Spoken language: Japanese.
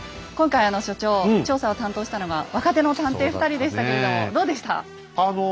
今回あの所長調査を担当したのが若手の探偵２人でしたけれどもどうでした？